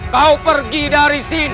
kau pergi dari sini